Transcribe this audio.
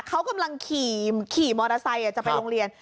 เขากำลังขี่มอเตอร์ไซค์จะไปโรงเรียน